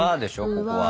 ここは。